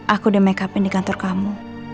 aku ingin menekapkan di kantor kamu